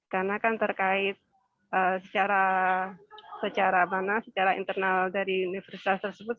karena kan terkait secara secara mana secara internal dari universitas tersebut